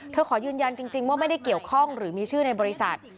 ขอยืนยันจริงว่าไม่ได้เกี่ยวข้องหรือมีชื่อในบริษัท